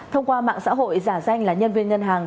thông qua mạng xã hội giả danh là nhân viên ngân hàng